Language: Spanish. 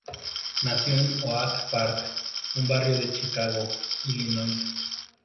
Nació en Oak Park, un barrio de Chicago, Illinois.